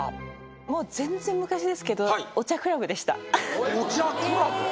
全然昔ですけどお茶クラブ？